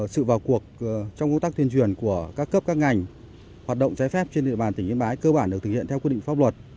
sự vào cuộc trong công tác tuyên truyền của các cấp các ngành hoạt động trái phép trên địa bàn tỉnh yên bái cơ bản được thực hiện theo quy định pháp luật